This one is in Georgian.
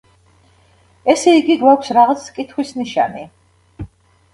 ესე იგი, გვაქვს რაღაც კითხვის ნიშანი.